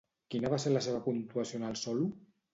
Quina va ser la seva puntuació en el solo?